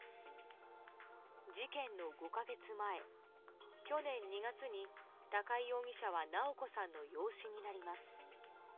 事件の５か月前、去年２月に高井容疑者は直子さんの養子になります。